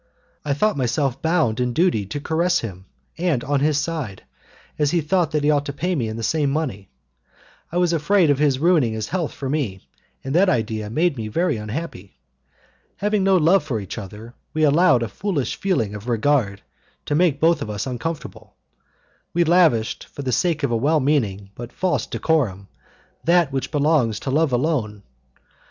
I thought myself bound in duty to caress him, and on his side, as he thought that he ought to pay me in the same money, I was afraid of his ruining his health for me, and that idea made me very unhappy. Having no love for each other, we allowed a foolish feeling of regard to make both of us uncomfortable. We lavished, for the sake of a well meaning but false decorum, that which belongs to love alone.